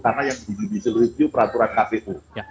karena yang judicial review peraturan kpu